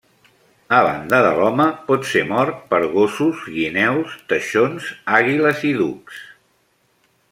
A banda de l'home, pot ser mort per gossos, guineus, teixons, àguiles i ducs.